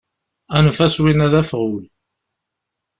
Anef-as win-a d afɣul.